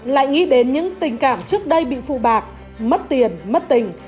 lại nghĩ đến những tình cảm trước đây bị phu bạc mất tiền mất tình